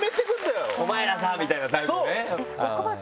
「お前らさ」みたいなタイプね。